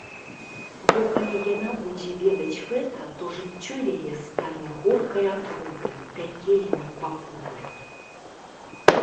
Бо калі яна будзе ведаць гэта, то жыццё яе стане горкай атрутай, пякельнай пакутай.